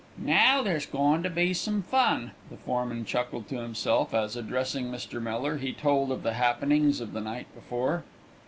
"Now there's goin' to be some fun," the foreman chuckled to himself as, addressing Mr. Miller, he told of the happenings of the night before.